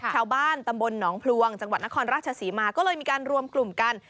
ชาวบ้านตำบลหนองพลวงจังหวัดนครราชศรีมาก็เลยมีการรวมกลุ่มกัน